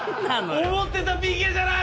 思ってたＰＫじゃない。